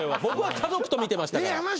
僕は家族と見てましたから。